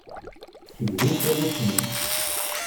Tceggeb-it taluft-nni.